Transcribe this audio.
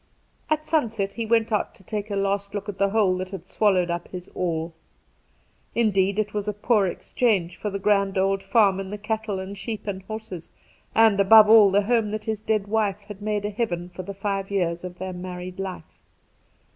At sunset he went out to take a last look at the hole that had swallowed up his all. Indeed, it was a poor exchange for the grand old farm and the cattle and sheep and horses, and, above all, the home that his dead wife had made a heaven of for the five years of their married life.